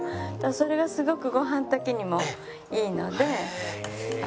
それがすごくご飯炊きにもいいので。